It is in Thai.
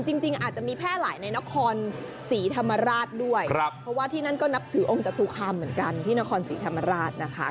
จริงอาจจะมีแพร่หลายในนครศรีธรรมราชด้วยเพราะว่าที่นั่นก็นับถือองค์จตุคามเหมือนกันที่นครศรีธรรมราชนะคะ